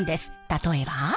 例えば。